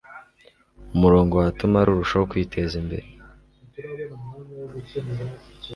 umurongo watuma rurushaho kwiteza imbere